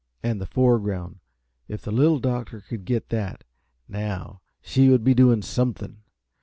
And the foreground if the Little Doctor could get that, now, she would be doing something!